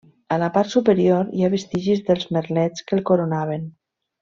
A la part superior hi ha vestigis dels merlets que el coronaven.